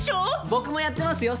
僕もやってますよ